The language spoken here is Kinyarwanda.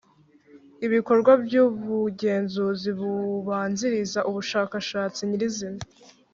ibikorwa by ubugenzuzi bubanziriza ubushakashatsi nyirizina